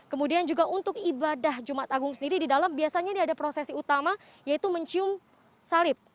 kemudian juga untuk ibadah jumat agung sendiri di dalam biasanya ini ada prosesi utama yaitu mencium salib